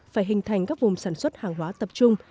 phải hình thành các vùng sản xuất hàng hóa tập trung